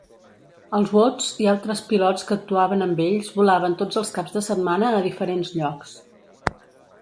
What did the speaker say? Els Woods i altres pilots que actuaven amb ells volaven tots els caps de setmana a diferents llocs.